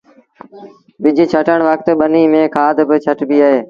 ٻج ڇٽڻ وکت ٻنيٚ ميݩ کآڌ با ڇٽبيٚ اهي